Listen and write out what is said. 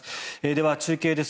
では、中継です。